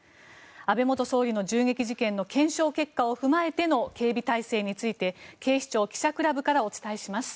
安倍元総理の銃撃事件の検証結果を踏まえての警備態勢について警視庁記者クラブからお伝えします。